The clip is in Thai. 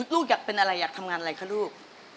ลูกอยากเป็นอะไรอยากทำงานอะไรคะลูก